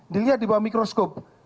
dilihat di bawah mikroskop